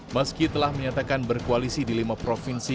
meski telah menyatakan berkoalisi di lima provinsi